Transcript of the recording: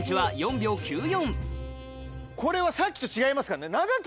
これはさっきと違いますからね。